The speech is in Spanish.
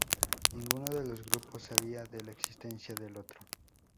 Ninguno de los grupos sabía de la existencia del otro.